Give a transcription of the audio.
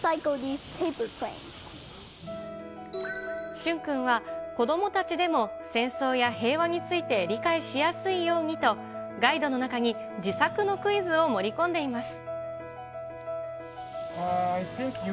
駿君は子どもたちでも戦争や平和について理解しやすいようにと、ガイドの中に、自作のクイズを盛り込んでいます。